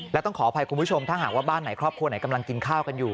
และต้องขออภัยคุณผู้ชมถ้าหากว่าบ้านไหนครอบครัวไหนกำลังกินข้าวกันอยู่